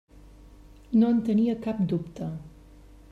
No en tenia cap dubte.